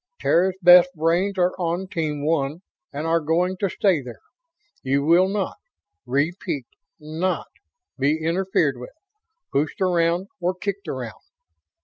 Terra's best brains are on Team One and are going to stay there. You will not repeat NOT be interfered with, pushed around or kicked around.